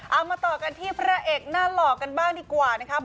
เอามาต่อกันที่พระเอกหน้าหล่อกันบ้างดีกว่านะครับ